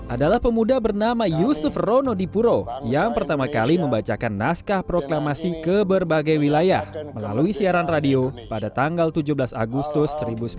adalah pemuda bernama yusuf rono dipuro yang pertama kali membacakan naskah proklamasi ke berbagai wilayah melalui siaran radio pada tanggal tujuh belas agustus seribu sembilan ratus empat puluh